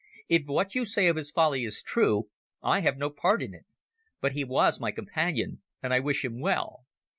"If what you say of his folly is true I have no part in it. But he was my companion and I wish him well.